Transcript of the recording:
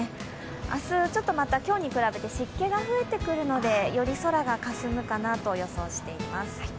明日、ちょっとまた今日に比べて湿気が増えてくるのでより空がかすむかなと予想しています。